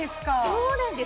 そうなんです。